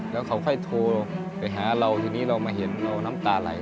แล้วเขาค่อยโทรไปหาเราทีนี้เรามาเห็นเราน้ำตาไหล